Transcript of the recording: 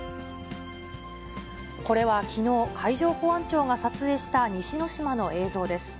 これはきのう、海上保安庁が撮影した西之島の映像です。